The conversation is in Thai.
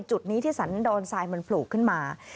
จุดนี้ที่สันดอนไซมันผลูกขึ้นมา